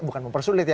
bukan mempersulit ya